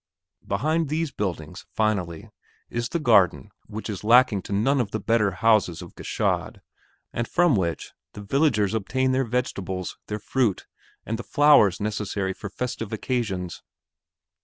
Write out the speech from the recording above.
Behind these buildings, finally, is the garden which is lacking to none of the better houses of Gschaid, and from which the villagers obtain their vegetables, their fruit, and the flowers necessary for festive occasions.